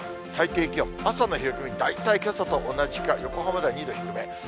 最低気温、朝の冷え込み、大体けさと同じか、横浜では２度低め。